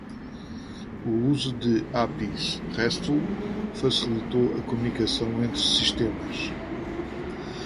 O uso de APIs RESTful facilitou a comunicação entre sistemas.